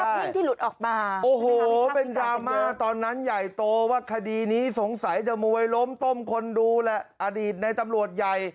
พึ่งที่หลุดออกมาโอ้โหเป็นดราม่าตอนนั้นใหญ่โตว่าคดีนี้สงสัยจะมวยล้มต้มคนดูแหละอดีตในตำรวจใหญ่